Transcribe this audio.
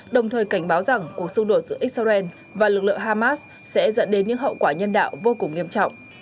đồng thời cảnh báo rằng cuộc xung đột giữa israel và lực lượng hamas sẽ dẫn đến những hậu quả nhân đạo vô cùng nghiêm trọng